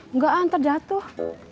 nggak ntar jatuh